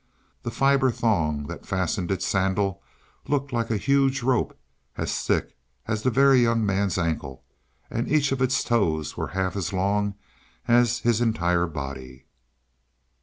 The fibre thong that fastened its sandal looked like a huge rope thick as the Very Young Man's ankle, and each of its toes were half as long as his entire body.